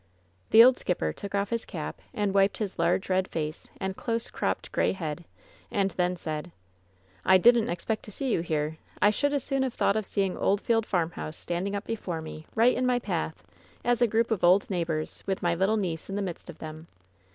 The old skipper took oflE his cap and wiped his large, red face and close cropped gray head, and then said: "I didn't expect to see you here. I should as soon have thought of seeing Oldfield farmhouse standing up before me, right in my path, as a group of old neighbors, with my little niece in the midst of them.